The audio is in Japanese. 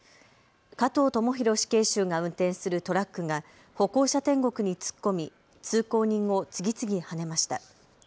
加藤智大死刑囚が運転するトラックが歩行者天国に突っ込み通行人を次々はねました。